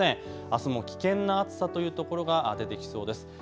あすも危険な暑さというところが出てきそうです。